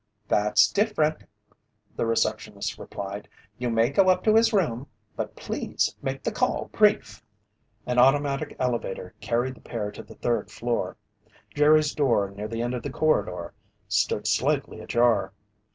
"That's different," the receptionist replied. "You may go up to his room, but please make the call brief." An automatic elevator carried the pair to the third floor. Jerry's door near the end of the corridor stood slightly ajar.